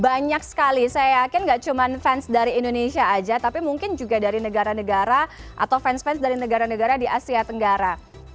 banyak sekali saya yakin gak cuma fans dari indonesia aja tapi mungkin juga dari negara negara atau fans fans dari negara negara di asia tenggara